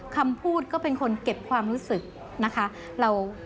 คำพูดก็เป็นคนเก็บความรู้สึกนะคะ